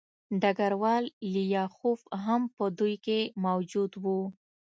ډګروال لیاخوف هم په دوی کې موجود و